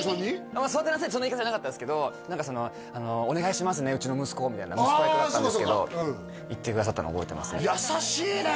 まあ「育てなさい」ってそんな言い方じゃなかったですけど何かそのお願いしますねうちの息子をみたいな息子役だったんですけど言ってくださったのを覚えてます優しいね！